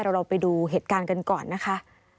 เราไปดูเหตุการณ์กันก่อนนะคะ